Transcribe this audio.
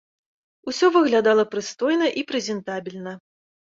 Усё выглядала прыстойна і прэзентабельна.